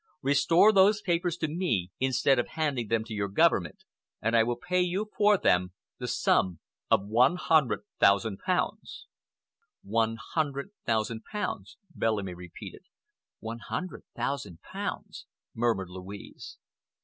restore those papers to me instead of handing them to your Government, and I will pay you for them the sum of one hundred thousand pounds!" "One hundred thousand pounds," Bellamy repeated. "One hundred thousand pounds!" murmured Louise.